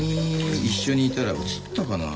一緒にいたらうつったかな？